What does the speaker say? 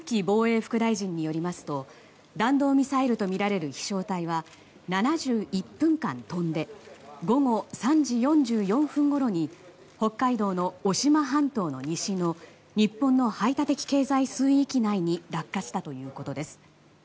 防衛副大臣によりますと弾道ミサイルとみられる飛翔体は７１分間飛んで午後３時４４分ごろに北海道の渡島半島の西の日本の排他的経済水域内に落下したということです。